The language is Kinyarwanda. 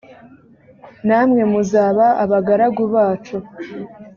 namwe muzaba abagaragu bacu